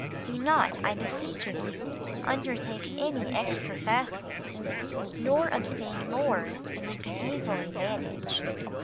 Do not, I beseech of you, undertake any extra fasting nor abstain more than you can easily manage.